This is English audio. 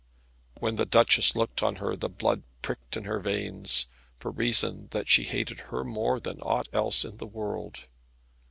When the Duchess looked on her, the blood pricked in her veins, for reason that she hated her more than aught else in the world.